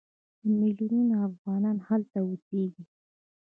میلیونونه افغانان هلته اوسېږي.